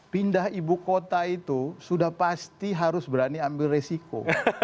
pindah ibukota itu sudah pasti harus berani ambil resiko